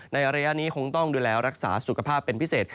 ระยะนี้คงต้องดูแลรักษาสุขภาพเป็นพิเศษ